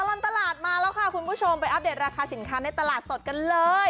ตลอดตลาดมาแล้วค่ะคุณผู้ชมไปอัปเดตราคาสินค้าในตลาดสดกันเลย